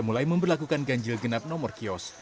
mulai memperlakukan ganjil genap nomor kios